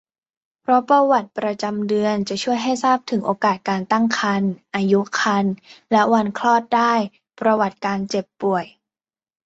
เพราะประวัติประจำเดือนจะช่วยให้ทราบถึงโอกาสการตั้งครรภ์ อายุครรภ์ และวันคลอดได้ ประวัติการเจ็บป่วย